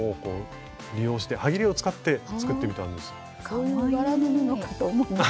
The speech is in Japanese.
そういう柄の布かと思いました。